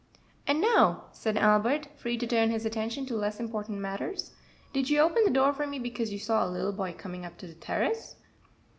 "And now," said Albert, free to turn his attention to less important matters, "did you open the door for me because you saw a little boy coming up the terrace?"